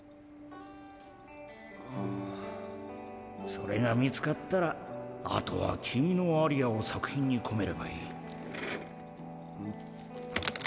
それがみつかったらあとはキミのアリアをさくひんにこめればいい。